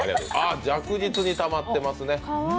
着実にたまってますね。